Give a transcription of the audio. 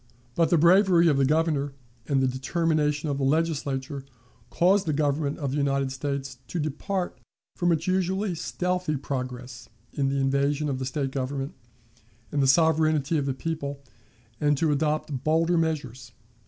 But the bravery of the Governor and the determination of the Legislature caused the Government of the United States to depart from its usually stealthy progress in the invasion of the State government and the sovereignty of the people, and to adopt bolder measures.